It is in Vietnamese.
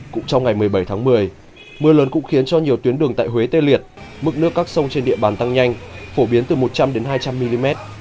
cũng trong ngày một mươi bảy tháng một mươi mưa lớn cũng khiến cho nhiều tuyến đường tại huế tê liệt mực nước các sông trên địa bàn tăng nhanh phổ biến từ một trăm linh đến hai trăm linh mm